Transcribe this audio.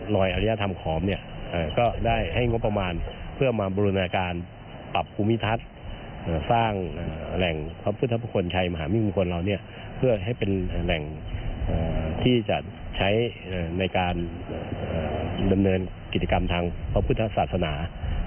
และเรียนเป็นพุทธศาสนา